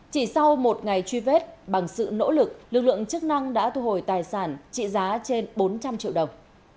chỉ sau một ngày truy vết bằng sự nỗ lực lực lượng chức năng đã thu hồi tài sản trị giá trên bốn trăm linh triệu đồng